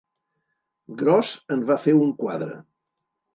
Gros en va fer un quadre.